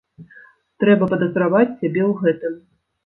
Трэба падазраваць сябе ў гэтым.